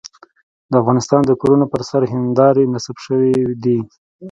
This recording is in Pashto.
د افغانستان د کورونو پر سر هندارې نصب شوې دي.